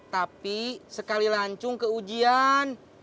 tapi sekali lancung ke ujian